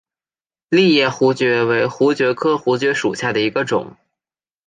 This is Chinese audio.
栎叶槲蕨为槲蕨科槲蕨属下的一个种。